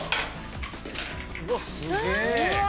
うわあすげえ。